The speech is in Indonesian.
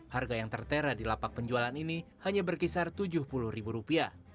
harga yang tertera di lapak penjualan ini hanya berkisar rp tujuh puluh